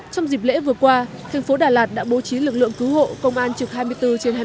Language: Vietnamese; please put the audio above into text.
trong dịp lễ vừa qua thành phố đà lạt đã bố trí lực lượng cứu hộ công an trực hai mươi bốn trên hai mươi bốn